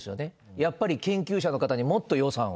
やっぱり研究者の方にもっと予算を。